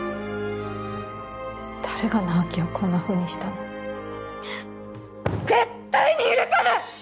誰が直木をこんなふうにしたの絶対に許さない！